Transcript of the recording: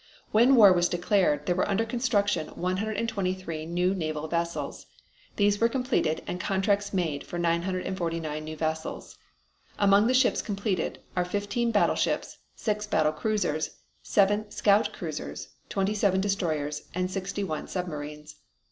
When war was declared there were under construction 123 new naval vessels. These were completed and contracts made for 949 new vessels. Among the ships completed are fifteen battleships, six battle cruisers, seven scout cruisers, twenty seven destroyers, and sixty one submarines.